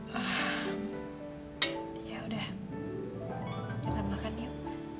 wah ya udah kita makan yuk